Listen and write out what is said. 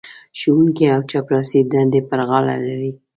ښوونکی او چپړاسي دندې پر غاړه لري.